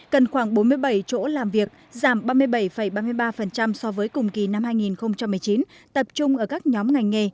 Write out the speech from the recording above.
cần khoảng bốn mươi bảy chỗ làm việc giảm ba mươi bảy ba mươi ba so với cùng kỳ năm hai nghìn một mươi chín tập trung ở các nhóm ngành nghề